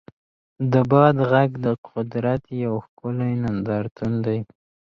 د باد غږ د قدرت یو ښکلی نندارتون دی.